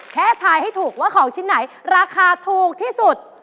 ทายให้ถูกว่าของชิ้นไหนราคาถูกที่สุด